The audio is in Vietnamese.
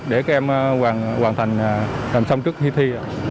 để các em hoàn thành làm xong trước kỳ thi